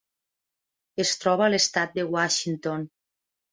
Es troba a l'estat de Washington.